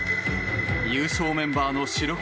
優勝メンバーの主力